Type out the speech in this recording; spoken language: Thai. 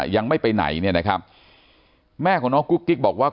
ยังไม่ไปไหนเนี่ยนะครับแม่ของน้องกุ๊กกิ๊กบอกว่า